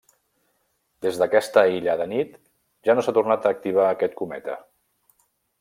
Des d'aquesta aïllada nit, ja no s'ha tornat a activar aquest cometa.